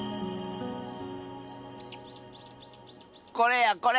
これやこれ。